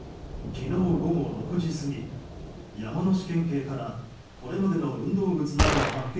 昨日午後６時過ぎ山梨県警からこれまでの運動靴などの発見